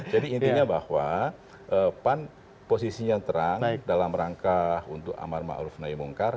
jadi intinya bahwa pan posisinya terang dalam rangka untuk amar ma'ruf naimungkar